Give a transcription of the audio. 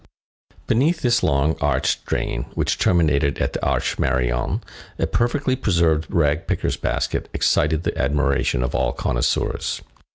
Beneath this long, arched drain which terminated at the Arche Marion, a perfectly preserved rag picker's basket excited the admiration of all connoisseurs.